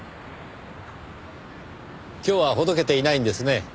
今日はほどけていないんですね。